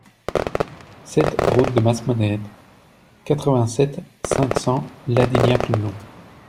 sept route de Masmonède, quatre-vingt-sept, cinq cents, Ladignac-le-Long